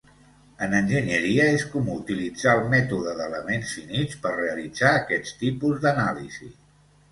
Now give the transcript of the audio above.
En enginyeria és comú utilitzar el mètode d'elements finits per realitzar aquest tipus d'anàlisi.